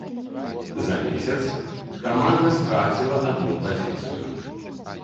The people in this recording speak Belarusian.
За месяц каманда страціла адну пазіцыю.